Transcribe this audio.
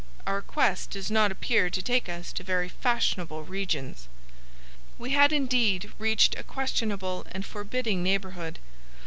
Our quest does not appear to take us to very fashionable regions." We had, indeed, reached a questionable and forbidding neighbourhood.